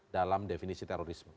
dalam definisi terorisme